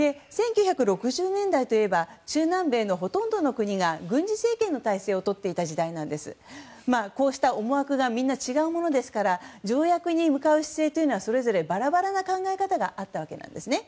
１９６０年代といえば中南米のほとんどの国が軍事政権の体制をとっていた時代でこうした思惑がみんな違うものですから条約に向かう姿勢はそれぞれバラバラな考え方があったわけなんです。